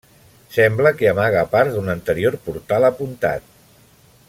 Sembla que amaga part d'un anterior portal apuntat.